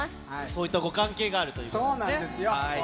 そういったご関係があるといそうなんですよ。